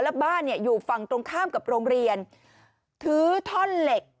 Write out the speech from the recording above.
แล้วบ้านเนี่ยอยู่ฝั่งตรงข้ามกับโรงเรียนถือท่อนเหล็ก